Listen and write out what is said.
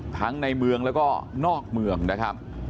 ทั้งในเมืองแล้วก็นอกเมืองนะครับ